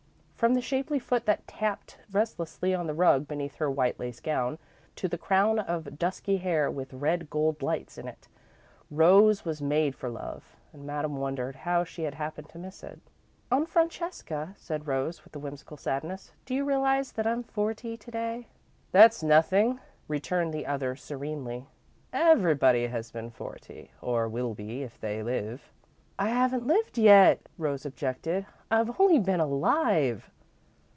From the shapely foot that tapped restlessly on the rug beneath her white lace gown, to the crown of dusky hair with red gold lights in it, Rose was made for love and Madame wondered how she had happened to miss it. "Aunt Francesca," said Rose, with a whimsical sadness, "do you realise that I'm forty to day?" "That's nothing," returned the other, serenely. "Everybody has been forty, or will be, if they live." "I haven't lived yet," Rose objected. "I've only been alive."